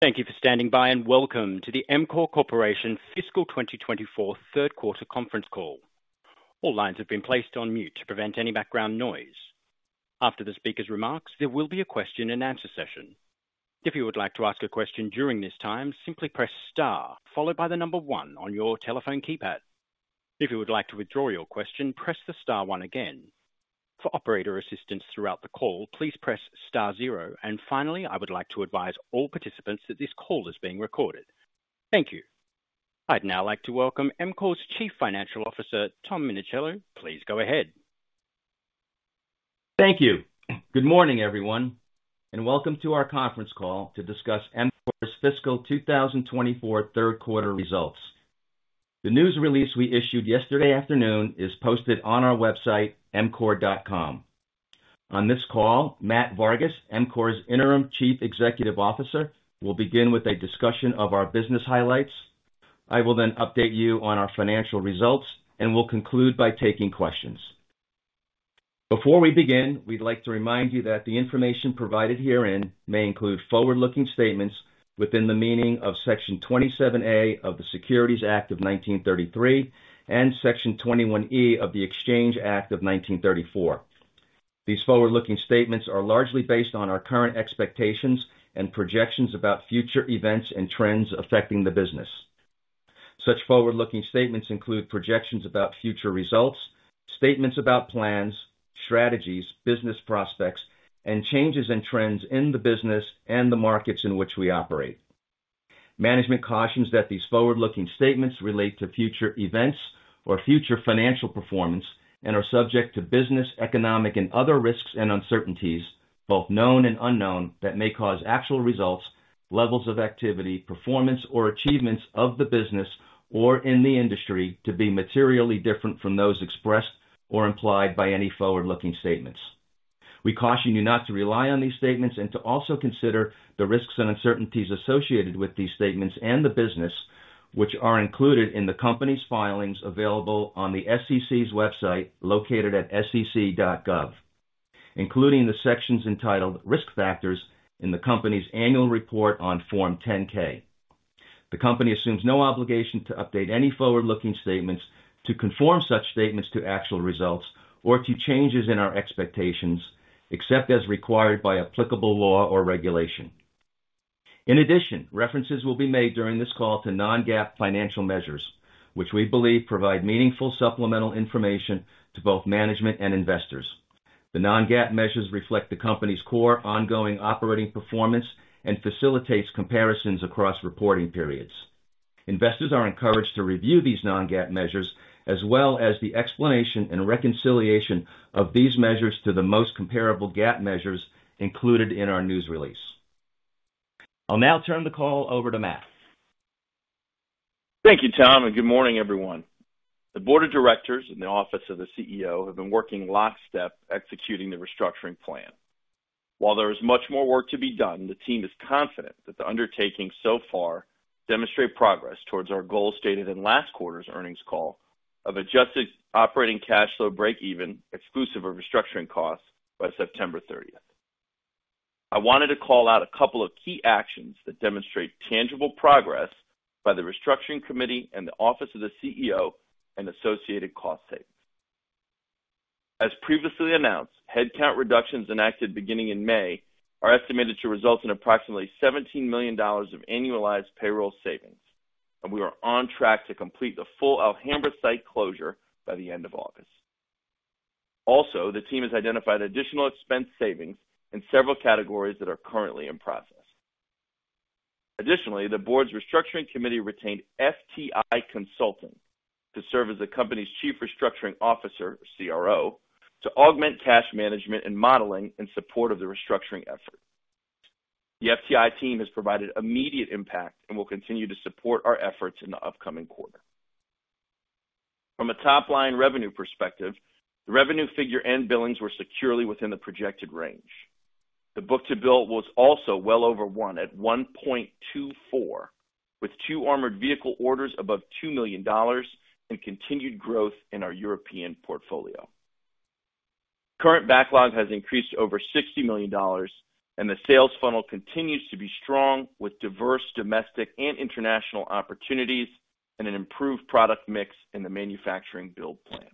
Thank you for standing by, and welcome to the EMCORE Corporation Fiscal 2024 third quarter conference call. All lines have been placed on mute to prevent any background noise. After the speaker's remarks, there will be a question-and-answer session. If you would like to ask a question during this time, simply press star, followed by the number 1 on your telephone keypad. If you would like to withdraw your question, press the star 1 again. For operator assistance throughout the call, please press star 0. And finally, I would like to advise all participants that this call is being recorded. Thank you. I'd now like to welcome EMCORE's Chief Financial Officer, Tom Minichiello. Please go ahead. Thank you. Good morning, everyone, and welcome to our conference call to discuss EMCORE's fiscal 2024 third quarter results. The news release we issued yesterday afternoon is posted on our website, emcore.com. On this call, Matt Vargas, EMCORE's Interim Chief Executive Officer, will begin with a discussion of our business highlights. I will then update you on our financial results, and we'll conclude by taking questions. Before we begin, we'd like to remind you that the information provided herein may include forward-looking statements within the meaning of Section 27A of the Securities Act of 1933 and Section 21E of the Exchange Act of 1934. These forward-looking statements are largely based on our current expectations and projections about future events and trends affecting the business. Such forward-looking statements include projections about future results, statements about plans, strategies, business prospects, and changes in trends in the business and the markets in which we operate. Management cautions that these forward-looking statements relate to future events or future financial performance and are subject to business, economic, and other risks and uncertainties, both known and unknown, that may cause actual results, levels of activity, performance, or achievements of the business or in the industry to be materially different from those expressed or implied by any forward-looking statements. We caution you not to rely on these statements and to also consider the risks and uncertainties associated with these statements and the business, which are included in the company's filings available on the SEC's website, located at SEC.gov, including the sections entitled Risk Factors in the company's annual report on Form 10-K. The company assumes no obligation to update any forward-looking statements to conform such statements to actual results or to changes in our expectations, except as required by applicable law or regulation. In addition, references will be made during this call to non-GAAP financial measures, which we believe provide meaningful supplemental information to both management and investors. The non-GAAP measures reflect the company's core ongoing operating performance and facilitates comparisons across reporting periods. Investors are encouraged to review these non-GAAP measures, as well as the explanation and reconciliation of these measures to the most comparable GAAP measures included in our news release. I'll now turn the call over to Matt. Thank you, Tom, and good morning, everyone. The board of directors and the office of the CEO have been working lockstep, executing the restructuring plan. While there is much more work to be done, the team is confident that the undertaking so far demonstrate progress towards our goal, stated in last quarter's earnings call, of adjusted operating cash flow breakeven, exclusive of restructuring costs, by September 30. I wanted to call out a couple of key actions that demonstrate tangible progress by the restructuring committee and the office of the CEO and associated cost savings. As previously announced, headcount reductions enacted beginning in May are estimated to result in approximately $17 million of annualized payroll savings, and we are on track to complete the full Alhambra site closure by the end of August. Also, the team has identified additional expense savings in several categories that are currently in process. Additionally, the board's restructuring committee retained FTI Consulting to serve as the company's chief restructuring officer, CRO, to augment cash management and modeling in support of the restructuring effort. The FTI team has provided immediate impact and will continue to support our efforts in the upcoming quarter. From a top-line revenue perspective, the revenue figure and billings were securely within the projected range. The book-to-bill was also well over 1, at 1.24, with two armored vehicle orders above $2 million and continued growth in our European portfolio. Current backlog has increased to over $60 million, and the sales funnel continues to be strong, with diverse domestic and international opportunities and an improved product mix in the manufacturing build plan.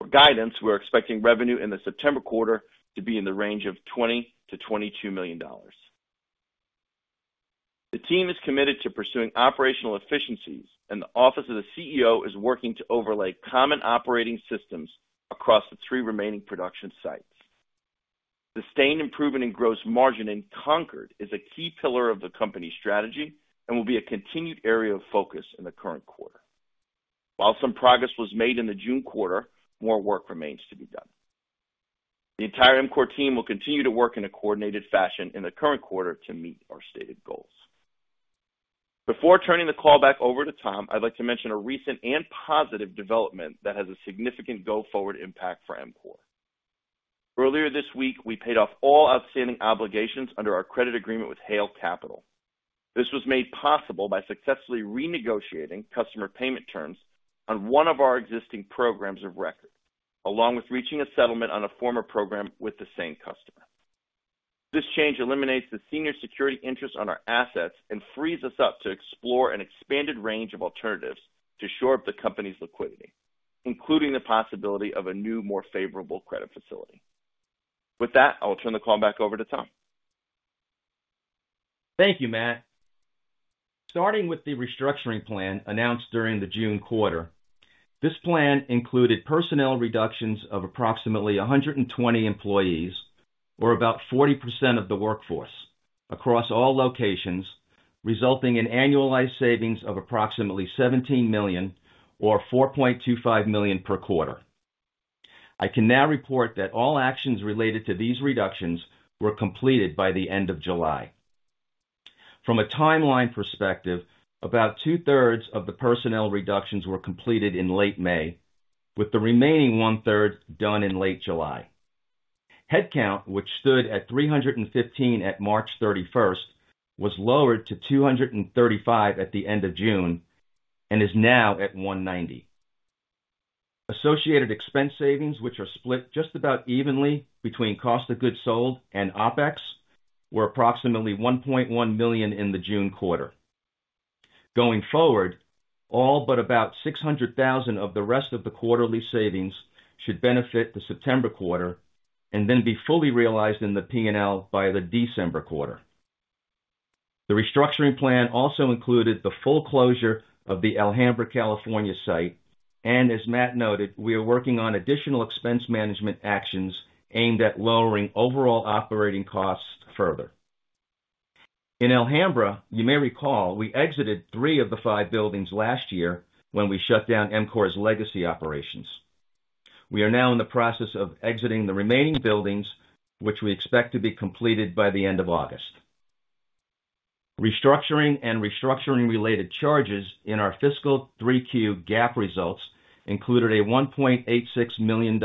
For guidance, we're expecting revenue in the September quarter to be in the range of $20 million-$22 million. The team is committed to pursuing operational efficiencies, and the office of the CEO is working to overlay common operating systems across the three remaining production sites. Sustained improvement in gross margin in Concord is a key pillar of the company's strategy and will be a continued area of focus in the current quarter. While some progress was made in the June quarter, more work remains to be done. The entire EMCORE team will continue to work in a coordinated fashion in the current quarter to meet our stated goals. Before turning the call back over to Tom, I'd like to mention a recent and positive development that has a significant go-forward impact for EMCORE. Earlier this week, we paid off all outstanding obligations under our credit agreement with Hale Capital. This was made possible by successfully renegotiating customer payment terms on one of our existing programs of record, along with reaching a settlement on a former program with the same customer. This change eliminates the senior security interest on our assets and frees us up to explore an expanded range of alternatives to shore up the company's liquidity, including the possibility of a new, more favorable credit facility. With that, I'll turn the call back over to Tom. Thank you, Matt. Starting with the restructuring plan announced during the June quarter, this plan included personnel reductions of approximately 120 employees, or about 40% of the workforce, across all locations, resulting in annualized savings of approximately $17 million or $4.25 million per quarter. I can now report that all actions related to these reductions were completed by the end of July. From a timeline perspective, about two-thirds of the personnel reductions were completed in late May, with the remaining one-third done in late July. Headcount, which stood at 315 at March 31, was lowered to 235 at the end of June and is now at 190. Associated expense savings, which are split just about evenly between cost of goods sold and OpEx, were approximately $1.1 million in the June quarter. Going forward, all but about $600,000 of the rest of the quarterly savings should benefit the September quarter and then be fully realized in the P&L by the December quarter. The restructuring plan also included the full closure of the Alhambra, California, site, and as Matt noted, we are working on additional expense management actions aimed at lowering overall operating costs further. In Alhambra, you may recall, we exited three of the five buildings last year when we shut down EMCORE's legacy operations. We are now in the process of exiting the remaining buildings, which we expect to be completed by the end of August. Restructuring and restructuring-related charges in our fiscal 3Q GAAP results included a $1.86 million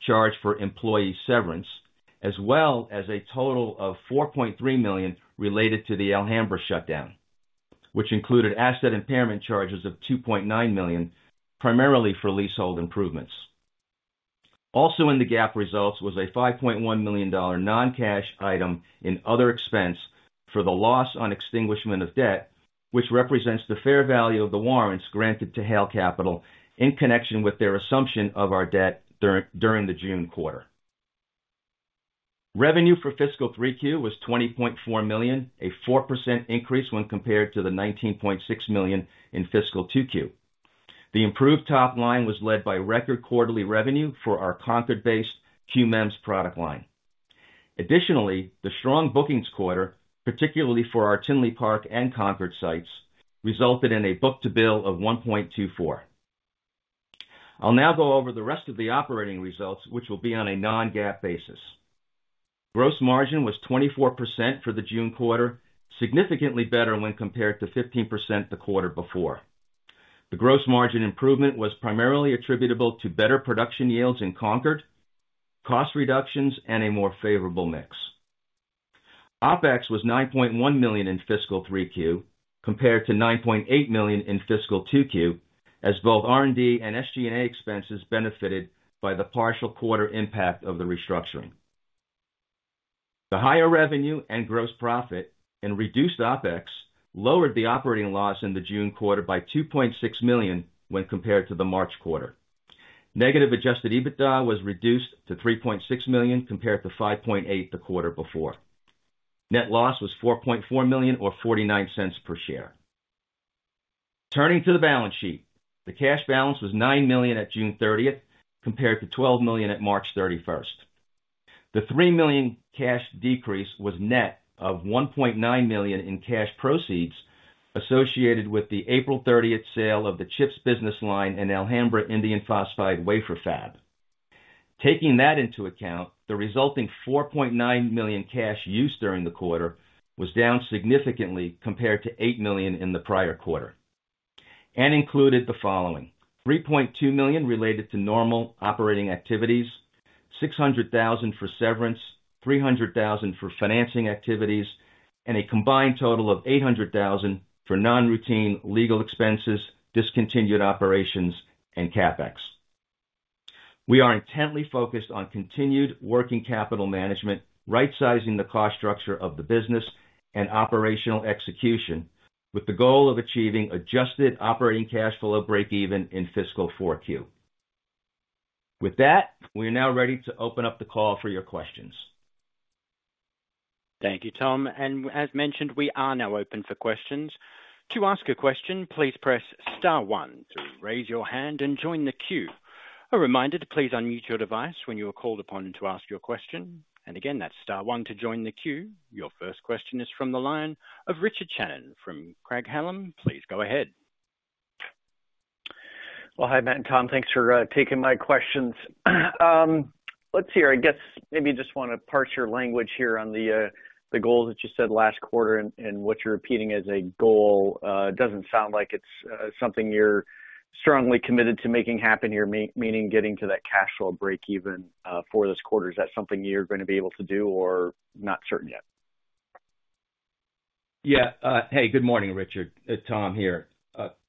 charge for employee severance, as well as a total of $4.3 million related to the Alhambra shutdown, which included asset impairment charges of $2.9 million, primarily for leasehold improvements. Also in the GAAP results was a $5.1 million non-cash item in other expense for the loss on extinguishment of debt, which represents the fair value of the warrants granted to Hale Capital in connection with their assumption of our debt during the June quarter. Revenue for fiscal 3Q was $20.4 million, a 4% increase when compared to the $19.6 million in fiscal 2Q. The improved top line was led by record quarterly revenue for our Concord-based QMEMS product line. Additionally, the strong bookings quarter, particularly for our Tinley Park and Concord sites, resulted in a book-to-bill of 1.24. I'll now go over the rest of the operating results, which will be on a Non-GAAP basis. Gross margin was 24% for the June quarter, significantly better when compared to 15% the quarter before. The gross margin improvement was primarily attributable to better production yields in Concord, cost reductions and a more favorable mix. OpEx was $9.1 million in fiscal 3Q, compared to $9.8 million in fiscal 2Q, as both R&D and SG&A expenses benefited by the partial quarter impact of the restructuring. The higher revenue and gross profit and reduced OpEx lowered the operating loss in the June quarter by $2.6 million when compared to the March quarter. Negative Adjusted EBITDA was reduced to $3.6 million, compared to $5.8 million the quarter before. Net loss was $4.4 million or $0.49 per share. Turning to the balance sheet. The cash balance was $9 million at June 30, compared to $12 million at March 31. The $3 million cash decrease was net of $1.9 million in cash proceeds associated with the April 30 sale of the chips business line in Alhambra, indium phosphide wafer fab. Taking that into account, the resulting $4.9 million cash used during the quarter was down significantly compared to $8 million in the prior quarter and included the following: $3.2 million related to normal operating activities, $600,000 for severance, $300,000 for financing activities, and a combined total of $800,000 for non-routine legal expenses, discontinued operations, and CapEx. We are intently focused on continued working capital management, rightsizing the cost structure of the business and operational execution, with the goal of achieving adjusted operating cash flow breakeven in fiscal 4Q. With that, we are now ready to open up the call for your questions. Thank you, Tom. As mentioned, we are now open for questions. To ask a question, please press star one to raise your hand and join the queue. A reminder to please unmute your device when you are called upon to ask your question. Again, that's star one to join the queue. Your first question is from the line of Richard Shannon from Craig-Hallum. Please go ahead. Well, hi, Matt and Tom. Thanks for taking my questions. Let's see here. I guess maybe you just want to parse your language here on the goal that you said last quarter and what you're repeating as a goal. It doesn't sound like it's something you're- ... strongly committed to making happen here, I mean getting to that cash flow breakeven for this quarter. Is that something you're gonna be able to do or not certain yet? Yeah. Hey, good morning, Richard. It's Tom here.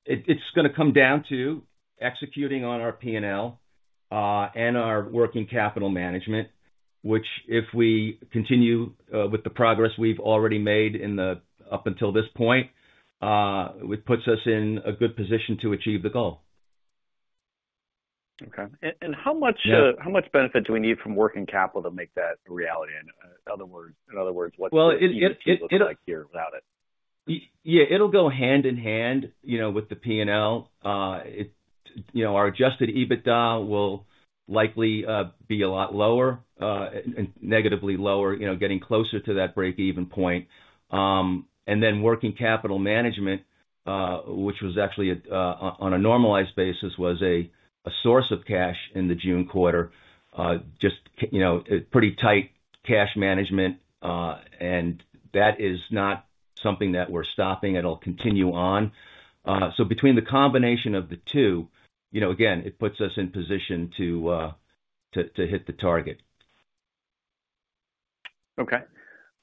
It's gonna come down to executing on our P&L and our working capital management, which if we continue with the progress we've already made up until this point, it puts us in a good position to achieve the goal. Okay. And how much, Yeah. How much benefit do we need from working capital to make that a reality? In other words, in other words, what's- Well, it'll- Look like here without it? Yeah, it'll go hand in hand, you know, with the P&L. It, you know, our adjusted EBITDA will likely be a lot lower and negatively lower, you know, getting closer to that breakeven point. And then working capital management, which was actually, on a normalized basis, was a source of cash in the June quarter. Just, you know, a pretty tight cash management, and that is not something that we're stopping. It'll continue on. So between the combination of the two, you know, again, it puts us in position to hit the target. Okay.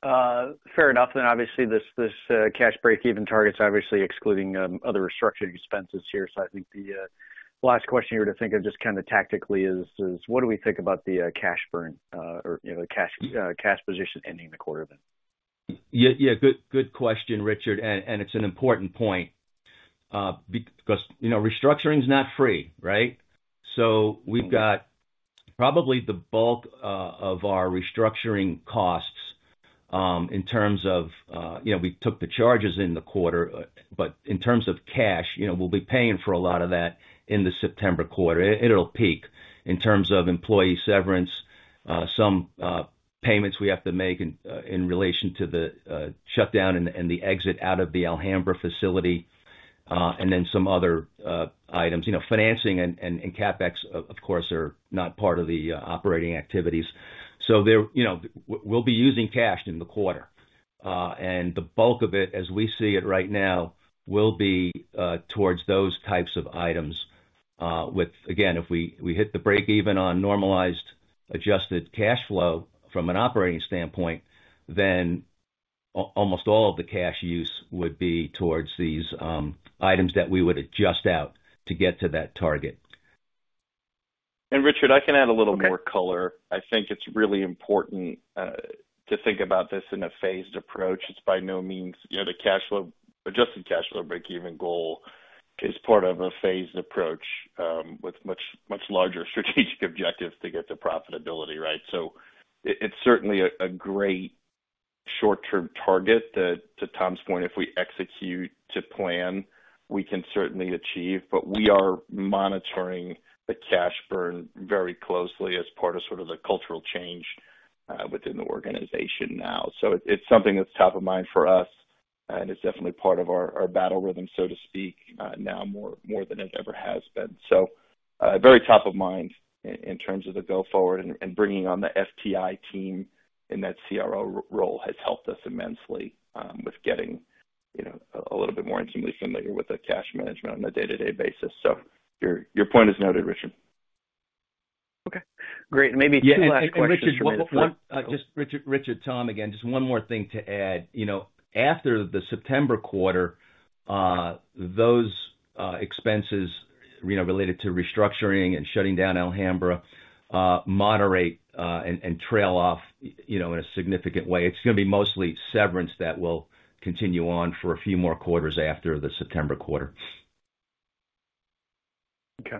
Fair enough. Then obviously, this, this, cash breakeven target's obviously excluding, other restructuring expenses here. So I think the, last question here to think of, just kind of tactically is, is what do we think about the, cash burn, or, you know, the cash, cash position ending the quarter then? Yeah, yeah. Good, good question, Richard, and, and it's an important point, because, you know, restructuring is not free, right? Mm-hmm. So we've got probably the bulk of our restructuring costs in terms of you know we took the charges in the quarter. But in terms of cash you know we'll be paying for a lot of that in the September quarter. It'll peak in terms of employee severance some payments we have to make in in relation to the shutdown and the exit out of the Alhambra facility and then some other items. You know financing and CapEx of course are not part of the operating activities. So there you know we'll be using cash in the quarter and the bulk of it as we see it right now will be towards those types of items. With, again, if we hit the breakeven on normalized, adjusted cash flow from an operating standpoint, then almost all of the cash use would be towards these items that we would adjust out to get to that target. Richard, I can add a little more color. Okay. I think it's really important to think about this in a phased approach. It's by no means, you know, the cash flow, adjusted cash flow breakeven goal is part of a phased approach with much, much larger strategic objectives to get to profitability, right? So it's certainly a great short-term target that, to Tom's point, if we execute to plan, we can certainly achieve. But we are monitoring the cash burn very closely as part of sort of the cultural change within the organization now. So it's something that's top of mind for us, and it's definitely part of our, our battle rhythm, so to speak, now more than it ever has been. So, very top of mind in terms of the go forward and bringing on the FTI team in that CRO role has helped us immensely with getting, you know, a little bit more intimately familiar with the cash management on a day-to-day basis. So your point is noted, Richard. Okay, great. Maybe two last questions for me- Richard, Richard, Tom again. Just one more thing to add. You know, after the September quarter, those expenses, you know, related to restructuring and shutting down Alhambra, moderate and trail off, you know, in a significant way. It's gonna be mostly severance that will continue on for a few more quarters after the September quarter. Okay.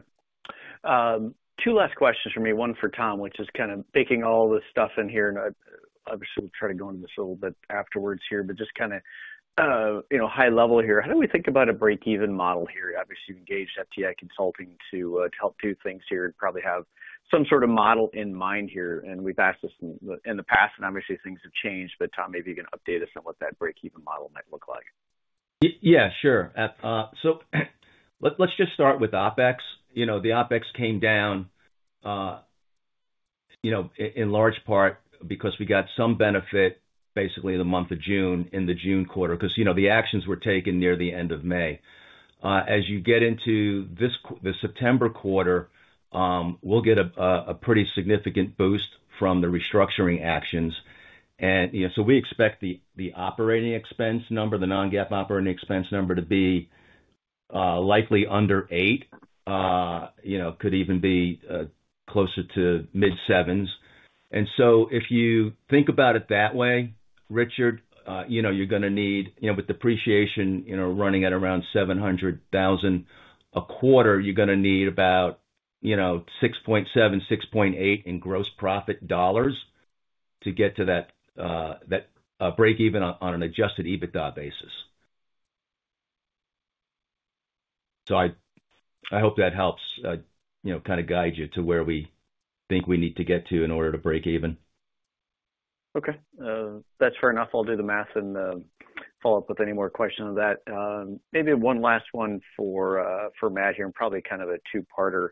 Two last questions for me, one for Tom, which is kind of taking all this stuff in here, and I, obviously, we'll try to go into this a little bit afterwards here, but just kind of, you know, high level here, how do we think about a breakeven model here? Obviously, you've engaged FTI Consulting to help do things here and probably have some sort of model in mind here. And we've asked this in the past, and obviously, things have changed. But Tom, maybe you can update us on what that breakeven model might look like. Yeah, sure. So let's just start with OpEx. You know, the OpEx came down, you know, in large part because we got some benefit basically in the month of June, in the June quarter, because, you know, the actions were taken near the end of May. As you get into the September quarter, we'll get a pretty significant boost from the restructuring actions. And, you know, so we expect the, the operating expense number, the non-GAAP operating expense number, to be, likely under 8. You know, could even be closer to mid-7s. And so if you think about it that way, Richard, you know, you're gonna need... You know, with depreciation, you know, running at around $700,000 a quarter, you're gonna need about, you know, $6.7 million-$6.8 million in gross profit dollars to get to that breakeven on an Adjusted EBITDA basis. So I hope that helps, you know, kind of guide you to where we think we need to get to in order to break even. Okay. That's fair enough. I'll do the math and follow up with any more questions on that. Maybe one last one for Matt here, and probably kind of a two-parter.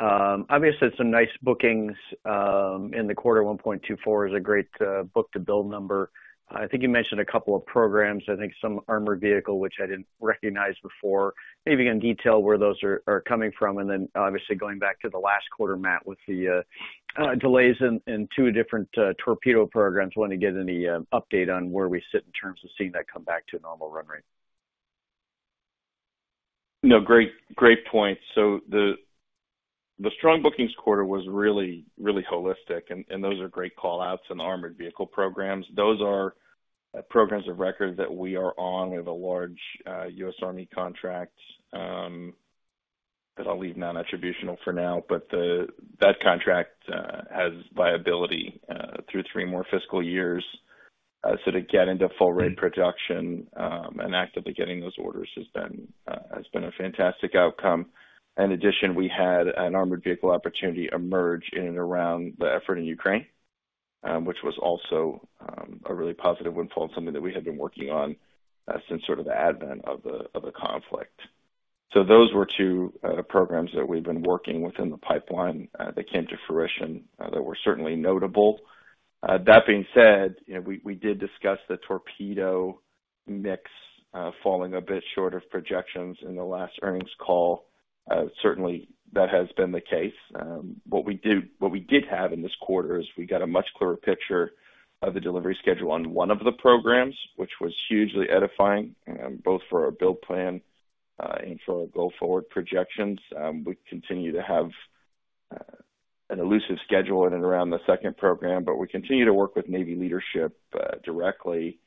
Obviously, some nice bookings in the quarter, 1.24 is a great book-to-bill number. I think you mentioned a couple of programs. I think some armored vehicle, which I didn't recognize before. Maybe you can detail where those are coming from, and then obviously going back to the last quarter, Matt, with the delays in two different torpedo programs. Want to get any update on where we sit in terms of seeing that come back to a normal run rate. No, great, great point. So the, the strong bookings quarter was really, really holistic, and, and those are great call-outs in the armored vehicle programs. Those are programs of record that we are on with a large, US Army contract, that I'll leave non-attributable for now. But the, that contract, has viability, through three more fiscal years. So to get into full rate production, and actively getting those orders has been, has been a fantastic outcome. In addition, we had an armored vehicle opportunity emerge in and around the effort in Ukraine, which was also, a really positive windfall, and something that we had been working on, since sort of the advent of the, of the conflict. So those were two programs that we've been working with in the pipeline that came to fruition that were certainly notable. That being said, you know, we did discuss the torpedo mix falling a bit short of projections in the last earnings call. Certainly, that has been the case. What we did have in this quarter is we got a much clearer picture of the delivery schedule on one of the programs, which was hugely edifying both for our build plan and for our go-forward projections. We continue to have an elusive schedule in and around the second program, but we continue to work with Navy leadership directly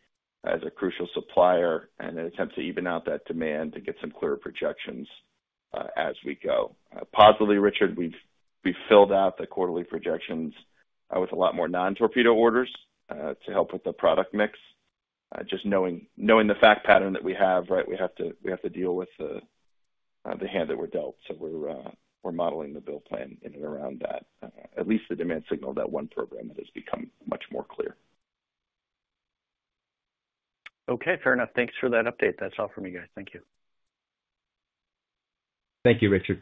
as a crucial supplier and an attempt to even out that demand to get some clearer projections as we go. Positively, Richard, we filled out the quarterly projections with a lot more non-torpedo orders to help with the product mix. Just knowing the fact pattern that we have, right? We have to deal with the hand that we're dealt. So we're modeling the build plan in and around that. At least the demand signal, that one program that has become much more clear. Okay, fair enough. Thanks for that update. That's all for me, guys. Thank you. Thank you, Richard.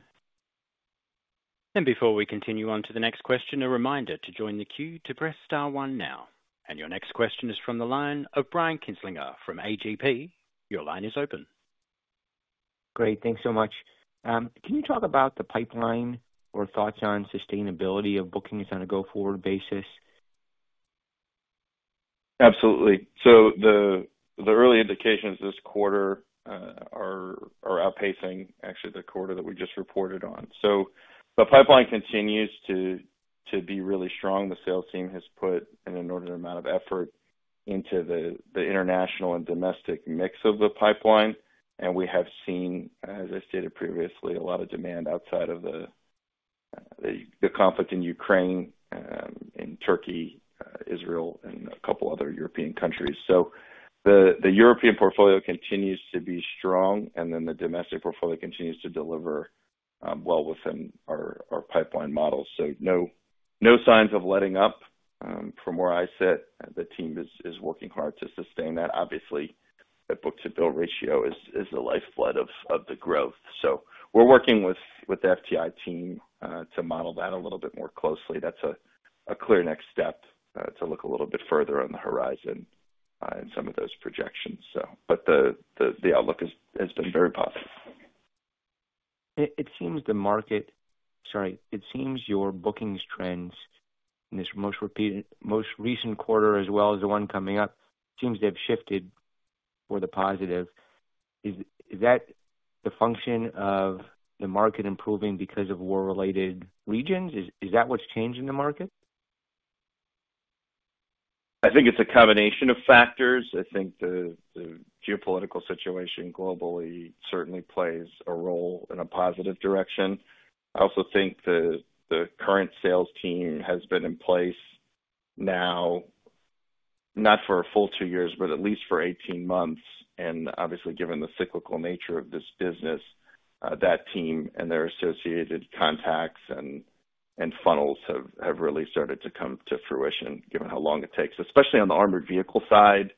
Before we continue on to the next question, a reminder to join the queue to press star one now. Your next question is from the line of Brian Kinstlinger from AGP. Your line is open. Great, thanks so much. Can you talk about the pipeline or thoughts on sustainability of bookings on a go-forward basis? Absolutely. So the early indications this quarter are outpacing actually the quarter that we just reported on. So the pipeline continues to be really strong. The sales team has put an inordinate amount of effort into the international and domestic mix of the pipeline, and we have seen, as I stated previously, a lot of demand outside of the conflict in Ukraine, in Turkey, Israel and a couple other European countries. So the European portfolio continues to be strong, and then the domestic portfolio continues to deliver well within our pipeline models. So no signs of letting up, from where I sit, the team is working hard to sustain that. Obviously, the Book-to-bill ratio is the lifeblood of the growth. So we're working with the FTI team to model that a little bit more closely. That's a clear next step to look a little bit further on the horizon in some of those projections, so. But the outlook has been very positive. It seems the market... Sorry. It seems your bookings trends in this most repeated, most recent quarter, as well as the one coming up, seems to have shifted for the positive. Is that the function of the market improving because of war-related regions? Is that what's changing the market? I think it's a combination of factors. I think the geopolitical situation globally certainly plays a role in a positive direction. I also think the current sales team has been in place now, not for a full two years, but at least for 18 months. And obviously, given the cyclical nature of this business, that team and their associated contacts and funnels have really started to come to fruition given how long it takes. Especially on the armored vehicle side,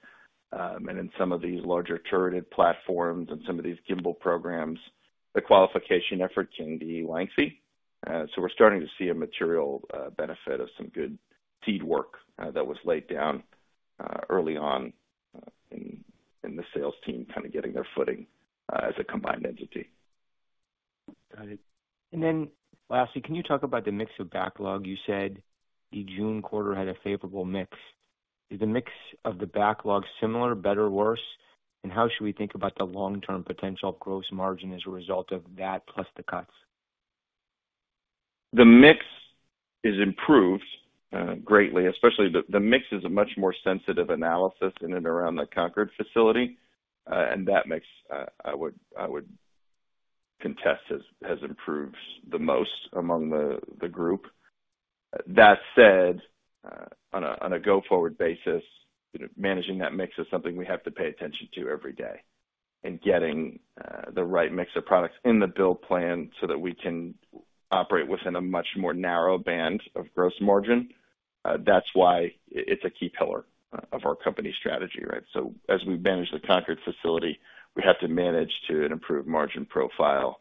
and in some of these larger turreted platforms and some of these gimbal programs, the qualification effort can be lengthy. So we're starting to see a material benefit of some good seed work that was laid down early on, in the sales team kind of getting their footing, as a combined entity. Got it. And then lastly, can you talk about the mix of backlog? You said the June quarter had a favorable mix. Is the mix of the backlog similar, better, worse? And how should we think about the long-term potential gross margin as a result of that, plus the cuts? The mix is improved greatly, especially the mix is a much more sensitive analysis in and around the Concord facility, and that mix I would contest has improved the most among the group. That said, on a go-forward basis, you know, managing that mix is something we have to pay attention to every day, and getting the right mix of products in the build plan so that we can operate within a much more narrow band of gross margin. That's why it's a key pillar of our company strategy, right? So as we manage the Concord facility, we have to manage to an improved margin profile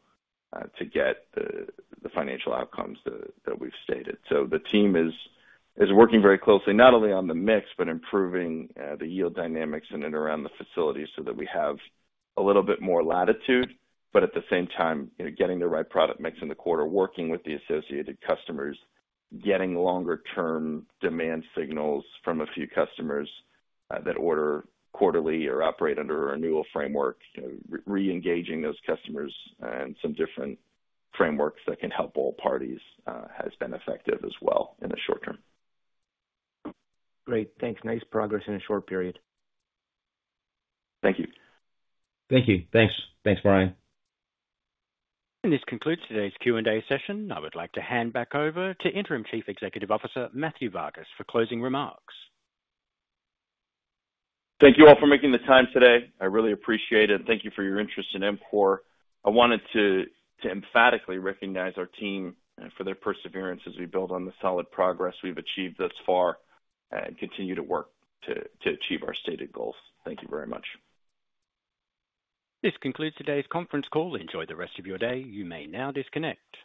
to get the financial outcomes that we've stated. So the team is working very closely, not only on the mix, but improving the yield dynamics in and around the facility so that we have a little bit more latitude. But at the same time, you know, getting the right product mix in the quarter, working with the associated customers, getting longer-term demand signals from a few customers that order quarterly or operate under a renewal framework. Re-engaging those customers and some different frameworks that can help all parties has been effective as well in the short term. Great, thanks. Nice progress in a short period. Thank you. Thank you. Thanks. Thanks, Brian. This concludes today's Q&A session. I would like to hand back over to Interim Chief Executive Officer, Matthew Vargas, for closing remarks. Thank you all for making the time today. I really appreciate it, and thank you for your interest in EMCORE. I wanted to emphatically recognize our team for their perseverance as we build on the solid progress we've achieved thus far, and continue to work to achieve our stated goals. Thank you very much. This concludes today's conference call. Enjoy the rest of your day. You may now disconnect.